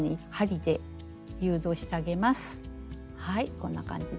はいこんな感じで。